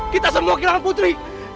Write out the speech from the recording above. kita semua kehilangan putri